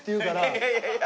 いやいやいやいや。